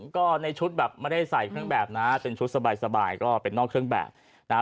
ก็ในชุดแบบไม่ได้ใส่เครื่องแบบนะเป็นชุดสบายก็เป็นนอกเครื่องแบบนะฮะ